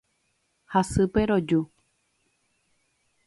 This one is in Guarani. Hasýpe roju.